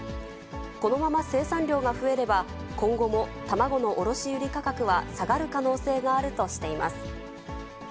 このまま生産量が増えれば、今後も卵の卸売り価格は下がる可能性があるとしています。